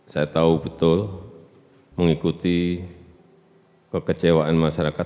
saya tahu betul mengikuti kekecewaan masyarakat